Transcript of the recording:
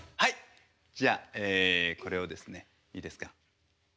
じゃあこれをですねいいですか？